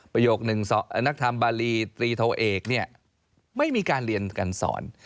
ประโยคหนึ่งนักธรรมบารีตรีโทเอกเนี่ยไม่มีการเรียนการสอน